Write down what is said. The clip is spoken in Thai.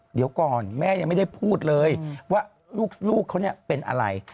เดี๋ยวก่อนแม่ยังไม่ได้พูดเลยว่าลูกเขาเนี่ยเป็นอะไร